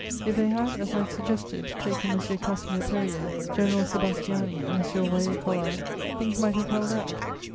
If they had, as I suggested, taken M. Casimir Périer, General Sébastiani and M. Royer Collard, things might have held out.